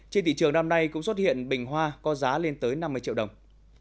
trên thị trường năm nay cũng xuất hiện bình hoa có giá lên tới năm mươi triệu đồng